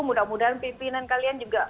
mudah mudahan pimpinan kalian juga